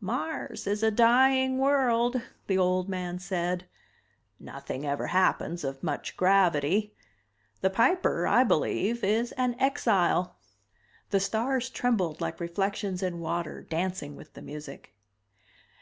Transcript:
"Mars is a dying world," the old man said. "Nothing ever happens of much gravity. The Piper, I believe, is an exile." The stars trembled like reflections in water, dancing with the music.